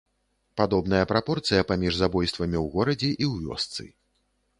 Падобная прапорцыя паміж забойствамі ў горадзе і ў вёсцы.